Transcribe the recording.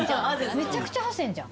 めちゃくちゃハセンじゃん。